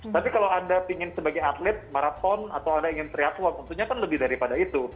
tapi kalau anda ingin sebagai atlet maraton atau anda ingin triathlon tentunya kan lebih daripada itu